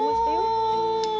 お！